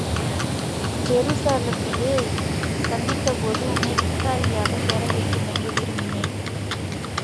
ஜெருசலத்திலே சந்தித்தபோது உன்னைக் கூட்டாளியாகப் பெற வேண்டுமென்று விரும்பினேன்.